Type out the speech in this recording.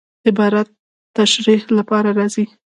عبارت د تشریح له پاره راځي.